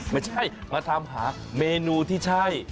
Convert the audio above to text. ไม่ใช่มาทำหาเมนูที่ใช่